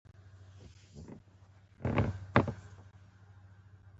ولي محمد هم بد نه و.